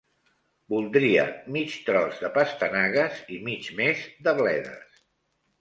Voldria mig tros de pastanagues i mig més de bledes.